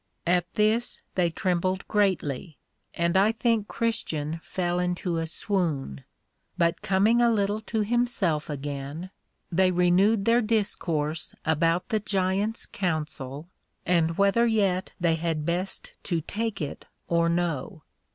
At this they trembled greatly, and I think that Christian fell into a Swoon; but coming a little to himself again, they renewed their discourse about the Giant's counsel, and whether yet they had best to take it or no.